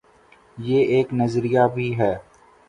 یہ ایک نظریہ بھی ہے۔